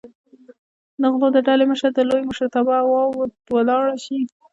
د غلو د ډلې مشر د لوی مشرتابه هوا ور ولاړه شي.